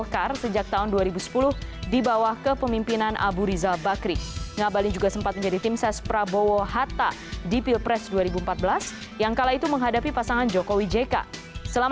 kepala kepala kepala